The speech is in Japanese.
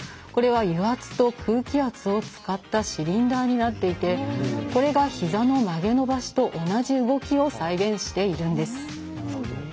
これは、油圧と空気圧を使ったシリンダーになっていてこれが、ひざの曲げ伸ばしと同じ動きを再現しているんです。